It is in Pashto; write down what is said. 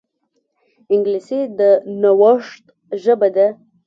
انګلیسي د نوښت ژبه ده